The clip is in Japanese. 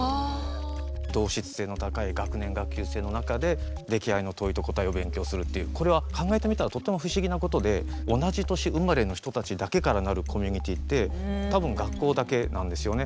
同質性の高い学年、学級生の中で出来合いの問いと答えを勉強する、これは考えてみたらとっても不思議なことで同じ年生まれの人たちだけからなるコミュニティーって多分、学校だけなんですよね。